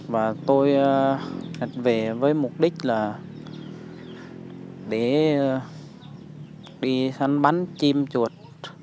và tôi về với mục đích là để đi săn bắn chim chuột